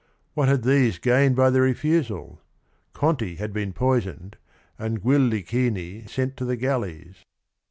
What had these gained by their refusal ? Conti had been poisoned, and Guillichini sent to the galleys.